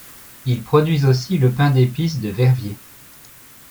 Ils produisent aussi le pain d’épices de Verviers.